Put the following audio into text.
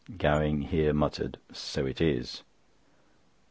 Gowing here muttered: "So it is."